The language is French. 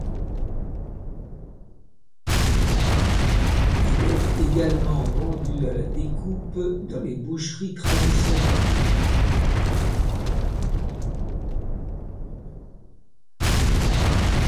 Il est également vendu à la découpe dans les boucheries traditionnelles.